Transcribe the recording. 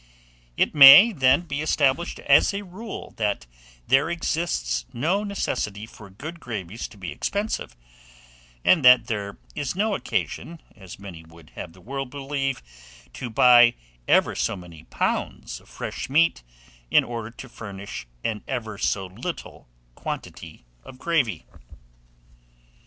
It may, then, be established as a rule, that there exists no necessity for good gravies to be expensive, and that there is no occasion, as many would have the world believe, to buy ever so many pounds of fresh meat, in order to furnish an ever so little quantity of gravy.